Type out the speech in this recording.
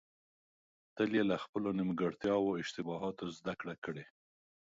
تل يې له خپلو نيمګړتياوو او اشتباهاتو زده کړئ.